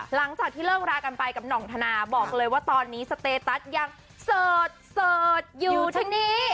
หลังจากที่เลิกรากันไปกับห่องธนาบอกเลยว่าตอนนี้สเตตัสยังโสดอยู่ที่นี่